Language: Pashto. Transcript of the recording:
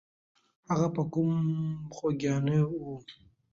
هغه په قوم خوګیاڼی وو.